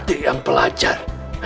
adik yang pelajar